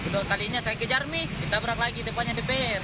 dua kalinya saya kejar nih ditabrak lagi depannya dpr